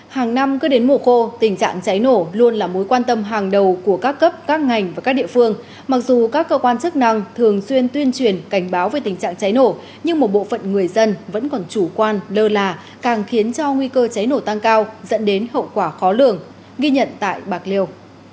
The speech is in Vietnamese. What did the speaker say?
hàng năm cứ đến mùa khô tình trạng cháy nổ luôn là mối quan tâm hàng đầu của các cấp các ngành và các địa phương mặc dù các cơ quan chức năng thường xuyên tuyên truyền cảnh báo về tình trạng cháy nổ nhưng một bộ phận người dân vẫn còn chủ quan lơ là càng khiến cho nguy cơ cháy nổ tăng cao dẫn đến hậu quả khó lường ghi nhận tại bạc liêu